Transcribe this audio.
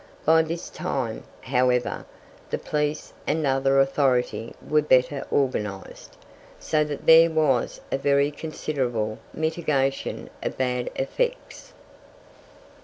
By this time, however, the police and other authority were better organized, so that there was a very considerable mitigation of bad effects.